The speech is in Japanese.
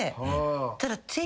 ただ。